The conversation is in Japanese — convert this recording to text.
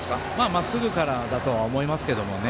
まっすぐからだとは思いますけどね。